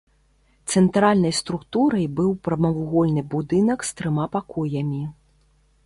Цэнтральнай структурай быў прамавугольны будынак з трыма пакоямі.